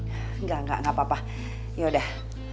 enggak enggak gapapa yaudah